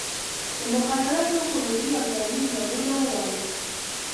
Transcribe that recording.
د مخدره توکو روحي او ځاني زیانونه ووایاست.